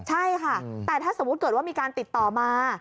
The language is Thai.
ใช่ค่ะแต่ถ้าสมมุติเกิดว่ามีการติดต่อมา